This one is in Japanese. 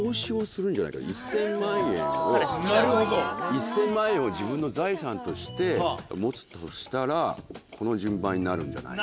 １０００万円を自分の財産として持つとしたらこの順番になるんじゃないか。